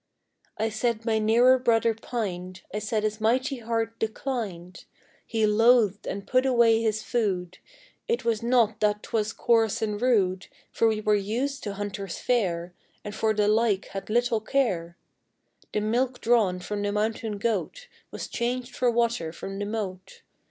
I said my nearer brother pined, I said his mighty heart declined, He loathed and put away his food; It was not that 't was coarse and rude, For we were used to hunter's fare, And for the like had little care; The milk drawn from the mountain goat Was changed for water from the moat.